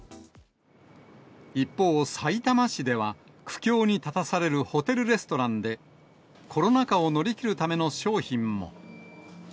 一方、さいたま市では、苦境に立たされるホテルレストランで、コロナ禍を乗り切るための商品も。